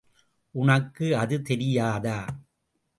உனக்கு அது தெரியாதா?